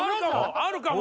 あるかも！